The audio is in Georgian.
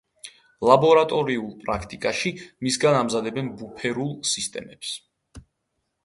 ლაბორატორიულ პრაქტიკაში მისგან ამზადებენ ბუფერულ სისტემებს.